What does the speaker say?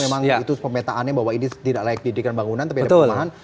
kalau memang itu pemetaan bahwa ini tidak layak didirikan bangunan tapi ada permohonan